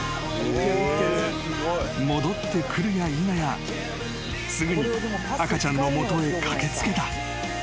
［戻ってくるやいなやすぐに赤ちゃんの元へ駆け付けた］